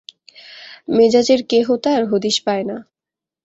মেজাজের কেহ তার হদিস পায় না।